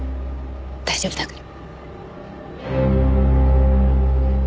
大丈夫だから。